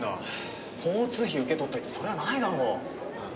交通費受け取っといてそりゃないだろう。